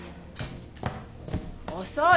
遅い！